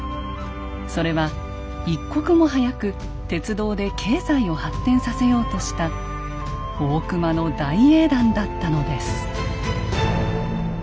それは一刻も早く鉄道で経済を発展させようとした大隈の大英断だったのです。